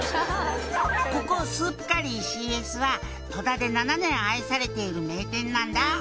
「ここスープカリーシーエスは戸田で７年愛されている名店なんだ」